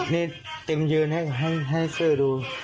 นี่เต็มยืนให้เซอเดียดู